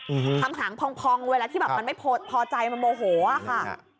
อื้อฮือเลยครับทำหางพองเวลาที่แบบมันไม่พอใจมันบ่โหอ่ะค่ะ